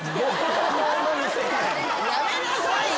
やめなさいよ。